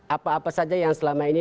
apa apa saja yang selama ini